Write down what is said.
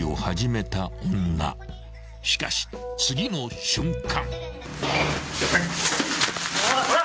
［しかし次の瞬間］